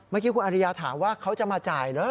เมื่อกี้คุณอริยาถามว่าเขาจะมาจ่ายเหรอ